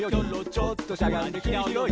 「ちょっとしゃがんでくりひろい」